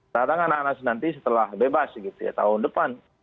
kedatangan anas nanti setelah bebas tahun depan